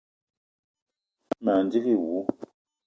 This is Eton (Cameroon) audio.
Ma ndigui wou.